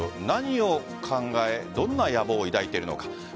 何を考えどんな野望を抱いているのか。